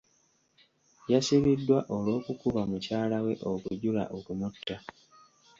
Yasibiddwa olw'okukuba mukyala we okujula okumutta.